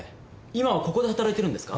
今はここで働いてるんですか？